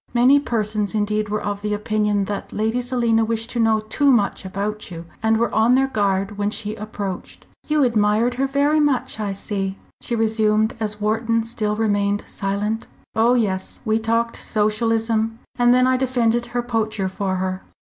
Many persons indeed were of opinion that Lady Selina wished to know too much about you and were on their guard when she approached. "You admired her very much, I see," she resumed, as Wharton still remained silent. "Oh, yes. We talked Socialism, and then I defended her poacher for her."